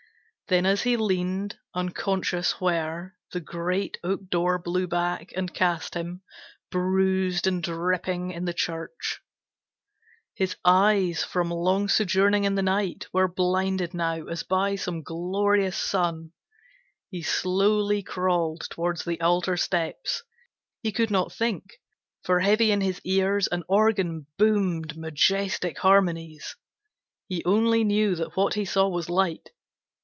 Then as he leaned Unconscious where, the great oak door blew back And cast him, bruised and dripping, in the church. His eyes from long sojourning in the night Were blinded now as by some glorious sun; He slowly crawled toward the altar steps. He could not think, for heavy in his ears An organ boomed majestic harmonies; He only knew that what he saw was light!